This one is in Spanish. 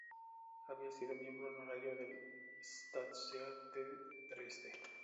Había sido miembro honorario del Staatstheater de Dresde.